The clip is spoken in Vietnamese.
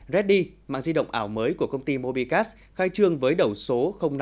reddy mạng di động ảo mới của công ty mobicast khai trương với đầu số năm mươi năm